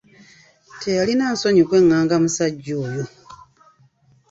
Teyalina nsonyi kweղղanga musajja oyo.